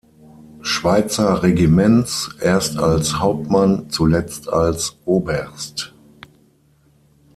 Schweizer Regiments, erst als Hauptmann, zuletzt als Oberst.